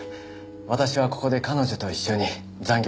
私はここで彼女と一緒に残業していました。